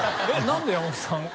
何で山本さん？